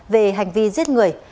về hành vi giết người